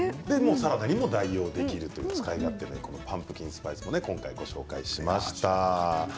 サラダにも代用できるパンプキンスパイス今回ご紹介しました。